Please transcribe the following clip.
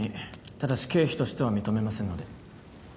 ただし経費としては認めませんので。